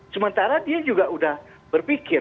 sementara dia juga sudah berpikir